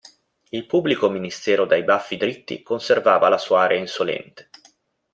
Il pubblico ministero dai baffi dritti conservava la sua aria insolente.